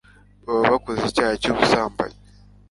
baba bakoze icyaha cy'ubusambanyi